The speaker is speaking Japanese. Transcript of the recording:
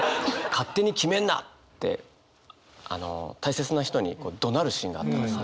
「勝手に決めんな！」ってあの大切な人にどなるシーンがあったんですね。